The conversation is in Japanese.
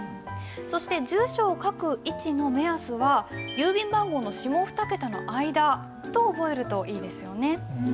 そして住所を書く位置の目安は郵便番号の下２桁の間と覚えるといいですよね。